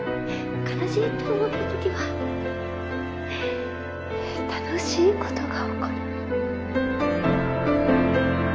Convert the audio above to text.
悲しいって思った時は楽しいことが起こる。